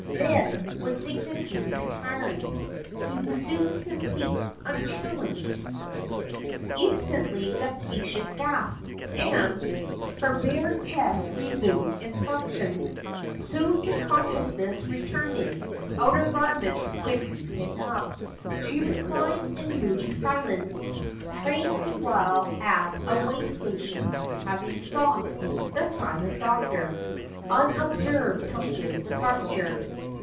Then, with dignity retiring, He resumed his seat unchallenged. 1 Instantly the patient gasped, and Her bared chest resumed its functions. Soon to consciousness returning— Outer garments quickly pinned up— She reclined in moody silence. Train meanwhile at a way station Having stopped, the silent doctor Unobserved took his departure.